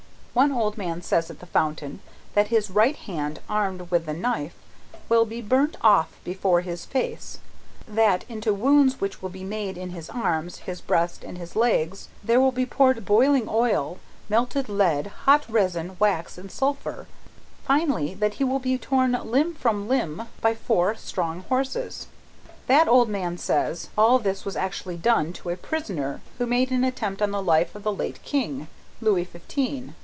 One old man says at the fountain, that his right hand, armed with the knife, will be burnt off before his face; that, into wounds which will be made in his arms, his breast, and his legs, there will be poured boiling oil, melted lead, hot resin, wax, and sulphur; finally, that he will be torn limb from limb by four strong horses. That old man says, all this was actually done to a prisoner who made an attempt on the life of the late King, Louis Fifteen.